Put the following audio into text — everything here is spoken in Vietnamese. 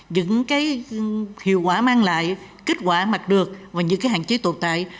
những cái hiệu quả mang lại kết quả mặc được và những cái hạn chế tồn tại